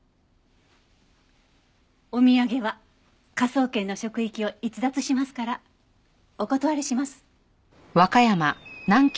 お土産は科捜研の職域を逸脱しますからお断りします。